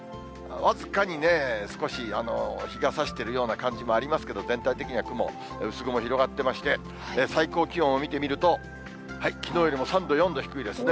僅かにね、少し日がさしているような感じもありますけど、全体的には雲、薄雲広がっていまして、最高気温を見てみると、きのうよりも３度、４度、低いですね。